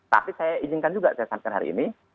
tapi saya izinkan juga saya sampaikan hari ini